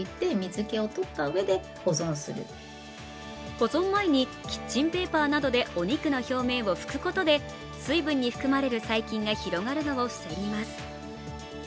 保存前にキッチンペーパーなどでお肉の表面を拭くことで水分に含まれる細菌が広がるのを防ぎます。